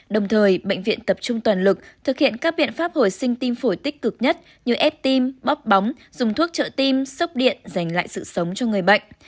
đồng thời bệnh viện tập trung toàn lực thực hiện các biện pháp hồi sinh tim phổi tích cực nhất như ép tim bóc bóng dùng thuốc trợ tim sốc điện dành lại sự sống cho người bệnh